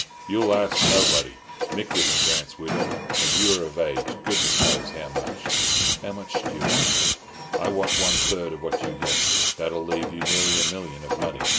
"You'll ask nobody. Mick isn't Grant's widow, and you are of age, goodness knows. How much?" "How much d'ye want?" "I want one third of what you get. That'll leave you nearly a million of money.